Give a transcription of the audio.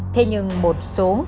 thế nhưng một số phần tự cực đoan